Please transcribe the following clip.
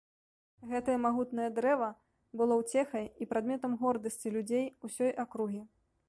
Гэтае магутнае дрэва было ўцехай і прадметам гордасці людзей усёй акругі.